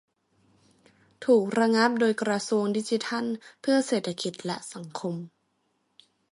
ถูกระงับโดยกระทรวงดิจิทัลเพื่อเศรษฐกิจและสังคม